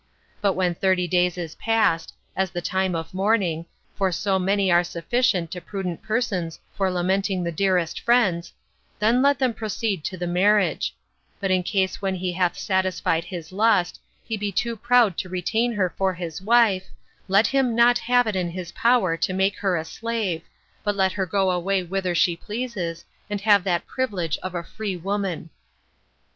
But when thirty days are past, as the time of mourning, for so many are sufficient to prudent persons for lamenting the dearest friends, then let them proceed to the marriage; but in case when he hath satisfied his lust, he be too proud to retain her for his wife, let him not have it in his power to make her a slave, but let her go away whither she pleases, and have that privilege of a free woman.